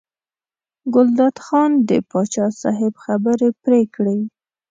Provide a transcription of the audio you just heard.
ګلداد خان د پاچا صاحب خبرې پرې کړې.